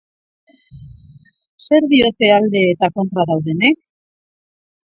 Zer diote alde eta kontra daudenek?